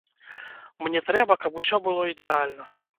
Мне трэба, каб усё было ідэальна.